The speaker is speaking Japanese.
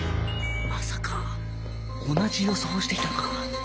まさか同じ予想をしていたのか？